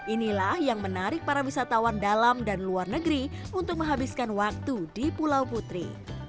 inilah yang menarik para wisatawan dalam dan luar negeri untuk menghabiskan waktu di pulau putri